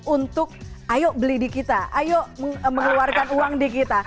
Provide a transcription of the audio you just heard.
untuk ayo beli di kita ayo mengeluarkan uang di kita